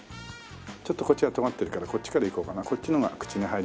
ちょっとこっちがとがってるからこっちからいこうかな。